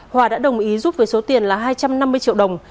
hòa đã đồng ý giúp với số tiền là hai trăm năm mươi triệu đồng